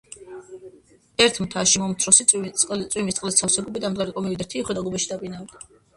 ერთ მთაში მომცროსი, წვიმის წყლით სავე გუბე დამდგარიყო. მივიდა ერთი იხვი და გუბეში დაბინავდა.